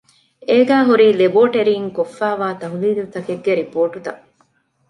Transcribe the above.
އޭގައި ހުރީ ލެބޯޓެރީން ކޮށްފައިވާ ތަހުލީލުތަކެއްގެ ރިޕޯޓުތައް